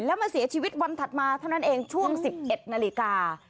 แล้วมาเสียชีวิตวันถัดมาเท่านั้นเองช่วง๑๑นาฬิกา